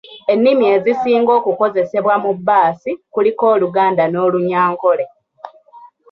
Ennimi ezisinga okukozesebwa mu bbaasi kuliko Oluganda n’Olunyankole.